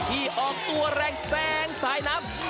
ที่ออกตัวแรงแซงสายน้ำ